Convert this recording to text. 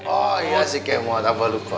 oh iya sih kemot apa lupa